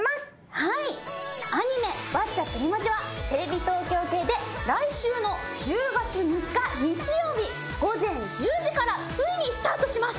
はいアニメ『ワッチャプリマジ！』はテレビ東京系で来週の１０月３日日曜日ごぜん１０時からついにスタートします。